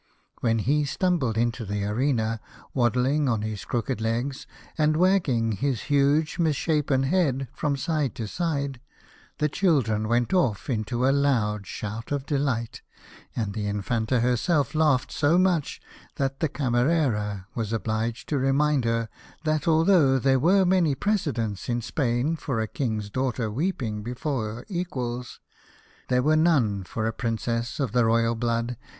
When he stumbled into the arena, waddling on his crooked legs and wagging his huge misshapen head from side to side, the children went off into a loud shout of delight, and the Infanta herself laughed so much that the Camerera was obliged to remind her that although there were many precedents in Spain for a King's daughter weeping before her equals, there were none for a Princess of the blood royal 40 The Birthday of the Infanta.